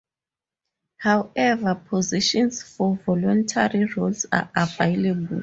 However positions for voluntary roles are available.